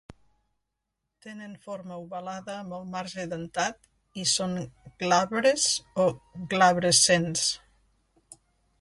Tenen forma ovalada amb el marge dentat i són glabres o glabrescents.